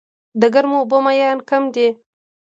د ګرمو اوبو ماهیان کوم دي؟